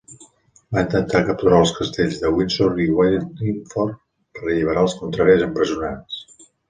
Va intentar capturar els castells de Windsor i Wallingford per alliberar els contraris empresonats.